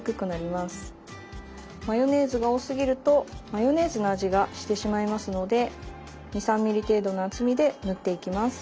マヨネーズが多すぎるとマヨネーズの味がしてしまいますので２３ｍｍ程度の厚みで塗っていきます。